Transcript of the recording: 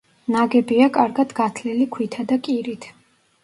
ნაგებია კარგად გათლილი ქვითა და კირით.